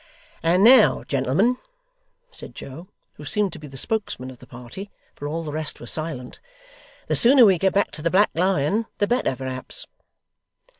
'And now, gentlemen,' said Joe, who seemed to be the spokesman of the party, for all the rest were silent; 'the sooner we get back to the Black Lion, the better, perhaps.